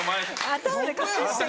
頭で隠して。